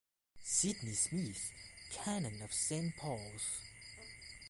Sydney Smith, Canon of Saint Paul's.